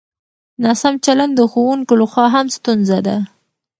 ناسم چلند د ښوونکو له خوا هم ستونزه ده.